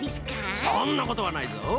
そんなことはないぞ。